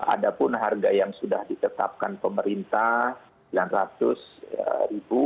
ada pun harga yang sudah ditetapkan pemerintah rp sembilan ratus